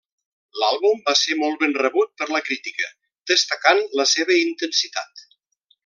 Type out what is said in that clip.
L'àlbum va ser molt ben rebut per la crítica destacant la seva intensitat.